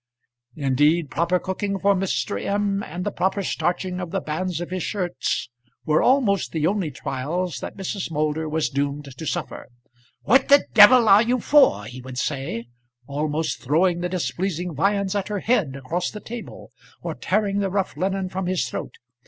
Indeed, proper cooking for Mr. M. and the proper starching of the bands of his shirts were almost the only trials that Mrs. Moulder was doomed to suffer. "What the d are you for?" he would say, almost throwing the displeasing viands at her head across the table, or tearing the rough linen from off his throat.